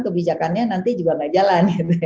kebijakannya nanti juga nggak jalan